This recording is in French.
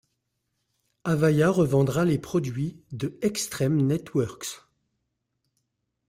Avaya revendra les produits de Extreme Networks.